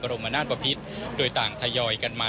พระรมนาศพภิษโดยต่างทายยอยกันมา